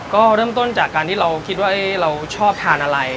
ก็เริ่มต้นจากการที่เราคิดว่าเราชอบทานอะไร